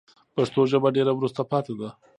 پښتو ژبه ډېره وروسته پاته ده